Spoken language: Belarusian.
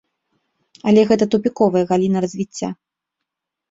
Але гэта тупіковая галіна развіцця.